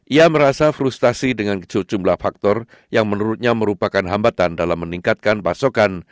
ia merasa frustasi dengan sejumlah faktor yang menurutnya merupakan hambatan dalam meningkatkan pasokan